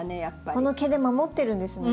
この毛で守ってるんですね。